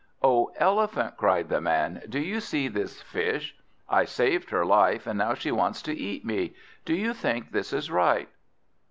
"O Elephant!" cried the Man, "do you see this Fish? I saved her life, and now she wants to eat me. Do you think this is right?"